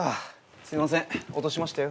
すいません落としましたよ。